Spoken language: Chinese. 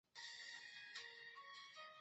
原籍无锡。